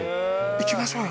行きましょうよ。